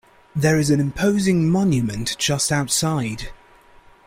There is an imposing monument just outside.